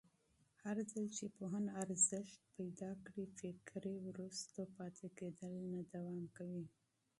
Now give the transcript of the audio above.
هرځل چې پوهنه ارزښت ومومي، فکري وروسته پاتې کېدل نه دوام کوي.